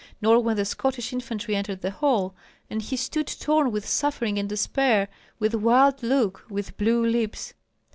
nor when the Scottish infantry entered the hall; and he stood torn with suffering and despair, with wild look, with blue lips.